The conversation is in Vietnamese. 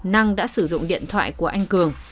năng đã sử dụng điện thoại của anh cường